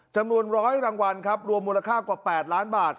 จำนวน๑๐๐รางวัลครับรวมมูลค่ากว่า๘ล้านบาท